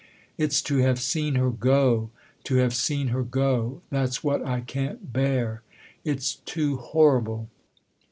It's to have seen her go to have seen her go : that's what I can't bear it's too horrible